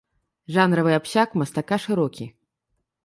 Жанравы абсяг мастака шырокі.